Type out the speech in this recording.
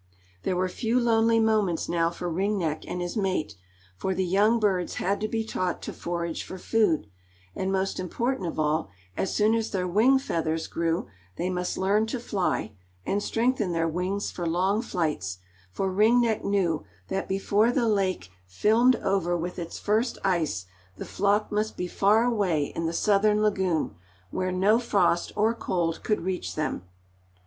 There were few lonely moments now for Ring Neck and his mate, for the young birds had to be taught to forage for food, and most important of all, as soon as their wing feathers grew, they must learn to fly, and strengthen their wings for long flights, for Ring Neck knew that before the lake filmed over with its first ice, the flock must be far away in the southern lagoon, where no frost or cold could reach them.